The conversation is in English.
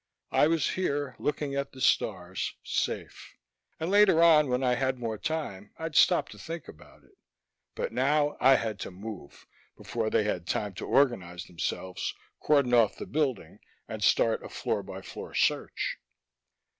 I was here, looking at the stars, safe; and later on when I had more time I'd stop to think about it. But now I had to move, before they had time to organize themselves, cordon off the building, and start a floor by floor search.